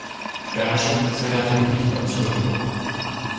Sternschritte zählen natürlich nicht als Schritte.